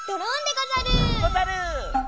ござる！